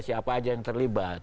siapa aja yang terlibat